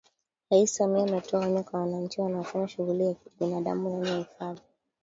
Rais Samia ametoa onyo kwa wananchi wanaofanya shughuli za kibinadamu ndani ya Hifadhi